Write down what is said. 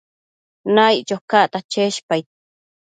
Naiccho cacta cheshpaid